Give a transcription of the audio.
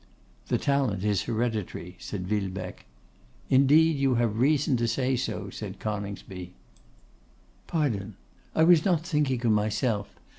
'The talent is hereditary,' said Villebecque. 'Indeed you have reason to say so,' said Coningsby. 'Pardon; I was not thinking of myself.